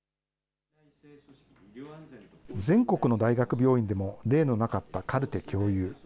全国の大学病院でも、例のなかったカルテ共有。